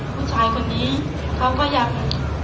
ผู้ชายคนนี้เขาก็ยัง